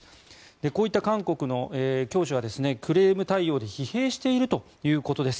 こういった韓国の教師はクレーム対応で疲弊しているということです。